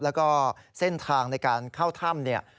แล้วก็เส้นทางในการเข้าถ้ำเนี่ย